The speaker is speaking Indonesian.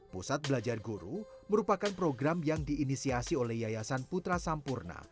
pusat belajar guru merupakan program yang diinisiasi oleh yayasan putra sampurna